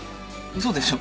嘘でしょ？